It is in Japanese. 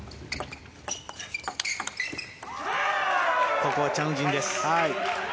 ここはチャン・ウジンです。